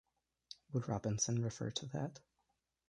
Would Robinson refer to that?